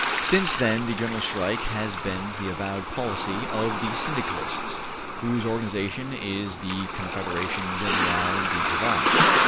Since then the General Strike has been the avowed policy of the Syndicalists, whose organization is the Confederation Generale du Travail.''